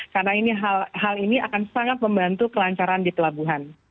karena hal ini akan sangat membantu kelancaran di pelabuhan